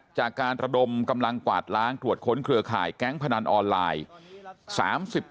จากการระดมกำลังกวาดล้างตรวจค้นเครือข่ายแก๊งพนันออนไลน์